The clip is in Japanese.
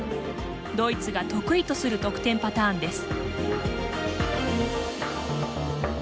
ドイツが得意とする得点パターンです。